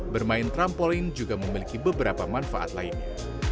bermain trampolin juga memiliki beberapa manfaat lainnya